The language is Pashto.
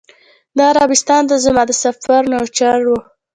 دا عربستان ته زما د سفر نچوړ و.